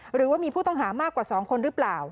หรือว่ามีผู้ต้องหามากกว่า๒คนหรือเปล่า